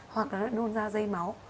hoặc nó lại nôn ra dây máu